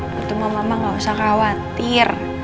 tunggu mama mama gak usah khawatir